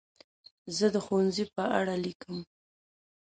زه د ښوونځي په اړه لیکم.